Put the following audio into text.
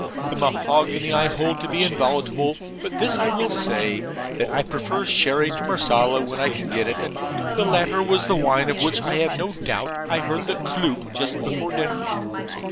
The mahogany I hold to be inviolable; but this I will say, that I prefer sherry to marsala when I can get it, and the latter was the wine of which I have no doubt I heard the 'cloop' just before dinner.